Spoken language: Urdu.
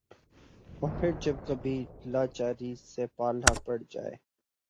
اور پھر جب کبھی لاچاری سے پالا پڑ جائے ۔